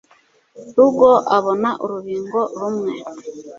rugo abona urubingo rumwe